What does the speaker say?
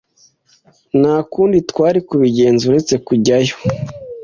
Nta kundi twari kubigenza uretse kujyayo.